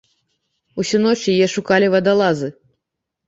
Усю ноч яе шукалі вадалазы.